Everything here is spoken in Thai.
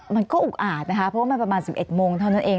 มันก็อุกอาจนะคะเพราะว่ามันประมาณ๑๑โมงเท่านั้นเอง